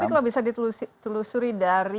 tapi kalau bisa ditelusuri dari